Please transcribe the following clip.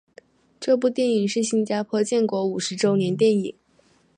这部电影是新加坡建国五十周年电影。